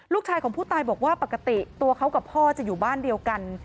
ลูกชายของผู้ตายบอกว่าปกติตัวเขากับพ่อจะอยู่บ้านเดียวกัน